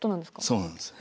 そうなんです。